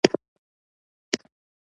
ملا به په تاوده ځای ناست و.